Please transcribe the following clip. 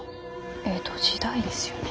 江戸時代ですよね。